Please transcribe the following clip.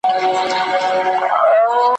د خپل قسمت سره په جنګ را وزم ,